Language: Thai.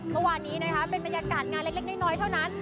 เมื่อวานนี้นะคะเป็นบรรยากาศงานเล็กน้อยเท่านั้น